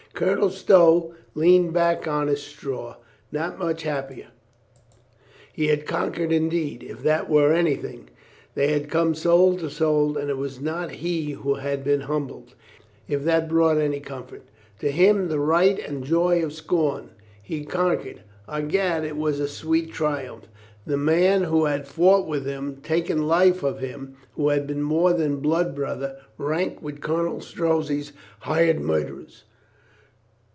Colonel Stow leaned back on his straw, not much the happier. He had conquered indeed, if that were anything. They had come soul to soul and it was not he who had been humbled, if that brought any FRIENDS 397 comfort To him the right and the joy of scorn. He conquered. I'gad, it was a sweet triumph. The man who had fought with him, taken life of him, who had been more than blood brother, ranked with Colonel Strozzi's hired murderers.